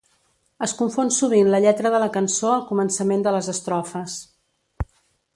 Es confon sovint la lletra de la cançó al començament de les estrofes.